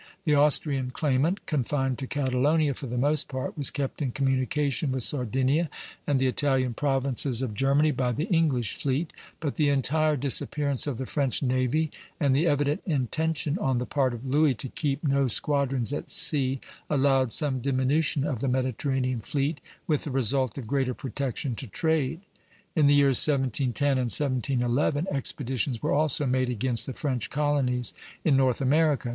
The Austrian claimant, confined to Catalonia for the most part, was kept in communication with Sardinia and the Italian provinces of Germany by the English fleet; but the entire disappearance of the French navy and the evident intention on the part of Louis to keep no squadrons at sea, allowed some diminution of the Mediterranean fleet, with the result of greater protection to trade. In the years 1710 and 1711 expeditions were also made against the French colonies in North America.